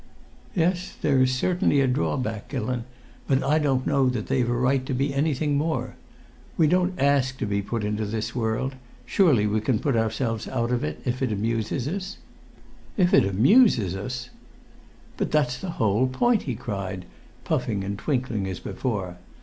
"Yes; they're certainly a drawback, Gillon, but I don't know that they've a right to be anything more. We don't ask to be put into this world; surely we can put ourselves out if it amuses us." "'If it amuses us!'" "But that's the whole point!" he cried, puffing and twinkling as before.